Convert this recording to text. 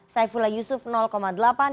saifullah yusuf delapan persen